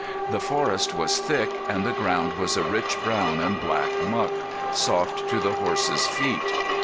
The forest was thick, and the ground was a rich brown and black muck, soft to the horses' feet.